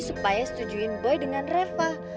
supaya setujuin boy dengan reva